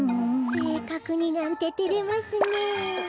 せいかくになんててれますねえ。